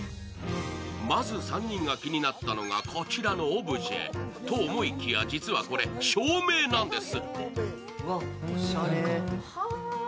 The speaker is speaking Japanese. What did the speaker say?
まず３人が気になったのが、こちらのオブジェと思いきや、実はこれ、照明なんです。